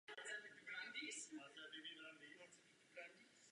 Jejím současným arcibiskupem je Leonard Paul Blair.